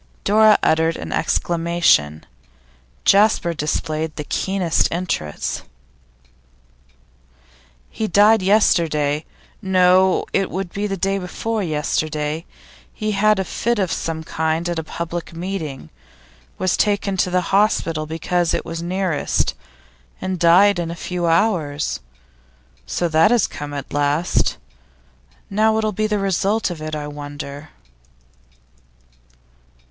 Dora uttered an exclamation; Jasper displayed the keenest interest. 'He died yesterday no, it would be the day before yesterday. He had a fit of some kind at a public meeting, was taken to the hospital because it was nearest, and died in a few hours. So that has come, at last! Now what'll be the result of it, I wonder?